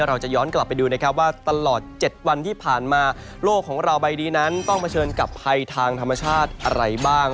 เราจะย้อนกลับไปดูนะครับว่าตลอด๗วันที่ผ่านมาโลกของเราใบนี้นั้นต้องเผชิญกับภัยทางธรรมชาติอะไรบ้าง